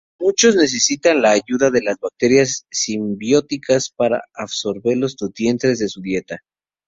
Muchos necesitan la ayuda de bacterias simbióticas para absorber los nutrientes de su dieta.